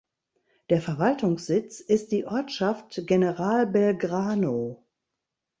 Der Verwaltungssitz ist die Ortschaft General Belgrano.